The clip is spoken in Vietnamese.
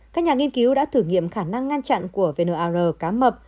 các nhà nghiên cứu đã thử nghiệm khả năng ngăn chặn của vnr cá mập